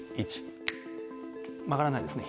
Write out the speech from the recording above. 曲がらないですね